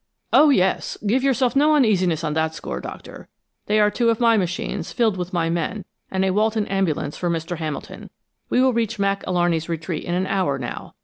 "Oh, yes. Give yourself no uneasiness on that score, Doctor. They are two of my machines, filled with my men, and a Walton ambulance for Mr. Hamilton. We will reach Mac Alarney's retreat in an hour, now.